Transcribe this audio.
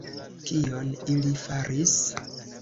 Kion ili faris?